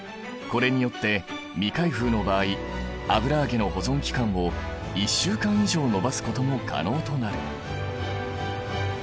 これによって未開封の場合油揚げの保存期間を１週間以上延ばすことも可能となる。